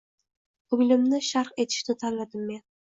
Ko‘nglimni sharh etishni tanladim men.